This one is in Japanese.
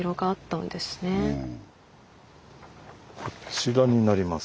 こちらになります。